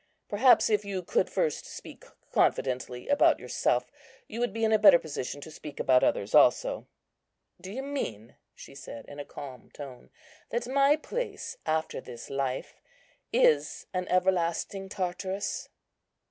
Perhaps if you could first speak confidently about yourself, you would be in a better position to speak about others also." "Do you mean," she said, in a calm tone, "that my place, after this life, is an everlasting Tartarus?"